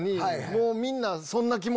もうみんな。